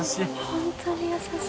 本当に優しい。